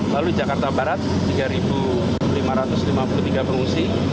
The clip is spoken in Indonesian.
lalu jakarta barat tiga lima ratus lima puluh tiga pengungsi